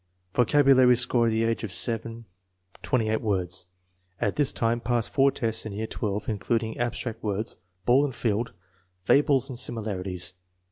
Vocabulary score at the age of 7, 28 words. 1 At this time passed four tests in year 1$, including abstract words, ball and field, fables and similarities.